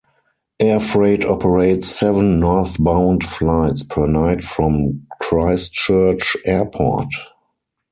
Air Freight operates seven northbound flights per night from Christchurch Airport.